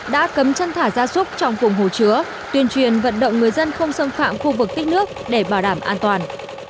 đã cấm chân thả ra súc trong vùng hồ chứa tuyên truyền vận động người dân không xâm phạm khu vực tích nước để bảo đảm an toàn